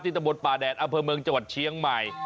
ตะบนป่าแดดอำเภอเมืองจังหวัดเชียงใหม่